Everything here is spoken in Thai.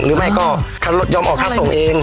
หรือไม่ก็เขายอมออกข้าวส่งเอง